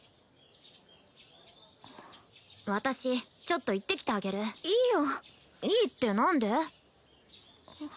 私ちょっと言ってきてあげるいいよいいって何で？